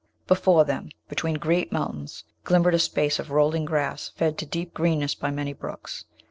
Before them, between great mountains, glimmered a space of rolling grass fed to deep greenness by many brooks.